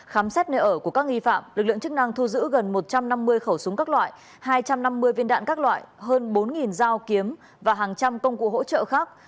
khám xét nơi ở của các nghi phạm lực lượng chức năng thu giữ gần một trăm năm mươi khẩu súng các loại hai trăm năm mươi viên đạn các loại hơn bốn dao kiếm và hàng trăm công cụ hỗ trợ khác